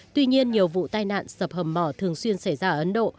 tuy nhiên nhiều vụ tai nạn sập hầm mỏ thường xuyên xảy ra ở ấn độ